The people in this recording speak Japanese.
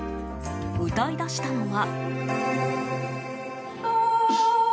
歌い出したのは。